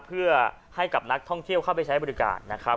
เพื่อให้กับนักท่องเที่ยวเข้าไปใช้บริการนะครับ